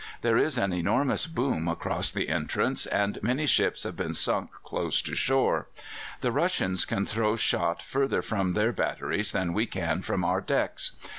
There is an enormous boom across the entrance, and many ships have been sunk close to shore. The Russians can throw shot further from their batteries than we can from our decks.